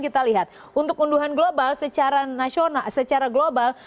kita lihat untuk unduhan global secara global